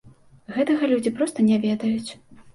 Гэтага людзі проста не ведаюць.